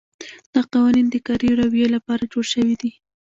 دا قوانین د کاري رویې لپاره جوړ شوي دي.